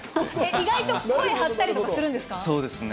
意外と声張ったりとかするんそうですね。